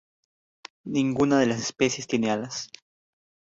Ninguna de las especies tiene alas.